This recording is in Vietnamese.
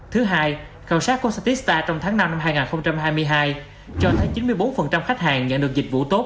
thứ hai khảo sát của statista trong tháng năm năm hai nghìn hai mươi hai cho tới chín mươi bốn khách hàng nhận được dịch vụ tốt